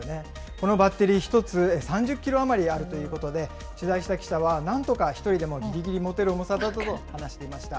このバッテリー、１つ３０キロ余りあるということで、取材した記者は、なんとか１人でもぎりぎり持てる重さだと話していました。